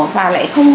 và lại không